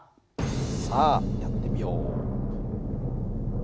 さあやってみよう。